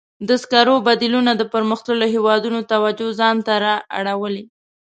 د سکرو بدیلونه د پرمختللو هېوادونو توجه ځان ته را اړولې.